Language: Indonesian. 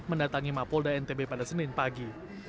mendatangi mapolda ntb pada senin pagi